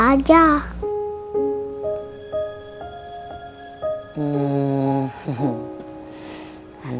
saudara jangan harus nanya aja